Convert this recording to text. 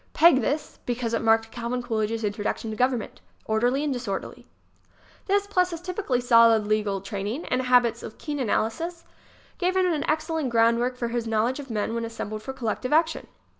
Peg this, be cause it marked Calvin Coolidge's introduction to government ŌĆö orderly and disorderly. This, plus his typically solid legal training and habits of keen analysis, gave him an excellent groundwork for his knowledge of men when assembled for collective action.